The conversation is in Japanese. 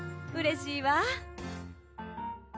うれしいわ。